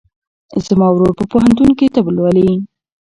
زما ورور په پوهنتون کې طب لولي.